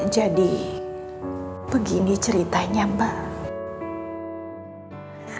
jadi begini ceritanya mbak